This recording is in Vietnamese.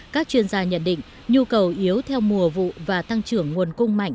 các chuyên gia nhận định nhu cầu yếu theo mùa vụ và tăng trưởng nguồn cung mạnh